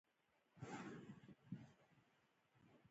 • خندا مهرباني زیاتوي.